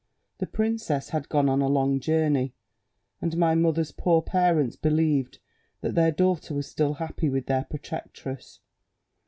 The princess had gone on a long journey, and my mother's poor parents believed that their daughter was still happy with her protectress.